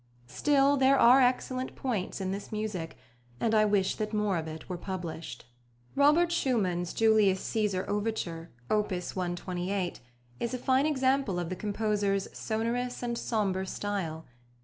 Still, there are excellent points in this music, and I wish that more of it were published. +Robert Schumann's+ Julius Cæsar overture, Op. 128, is a fine example of the composer's sonorous and sombre style.